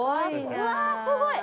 うわっすごい！